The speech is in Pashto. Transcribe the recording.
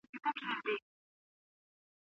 که ټولنه وپېژنو نو ستونزې به حل سي.